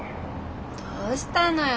どうしたのよ